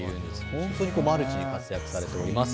本当にマルチに活躍されております。